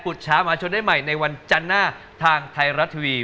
ช้ามหาชนได้ใหม่ในวันจันทร์หน้าทางไทยรัฐทีวี